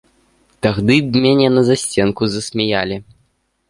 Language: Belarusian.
Тагды б мяне на засценку засмяялі.